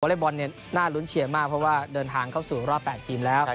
เล็กบอลน่ารุ้นเชียร์มากเพราะว่าเดินทางเข้าสู่รอบ๘ทีมแล้ว